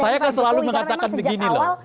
saya kan selalu mengatakan begini loh